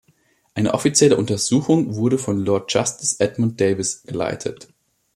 Eine offizielle Untersuchung wurde von Lord Justice Edmund Davies geleitet.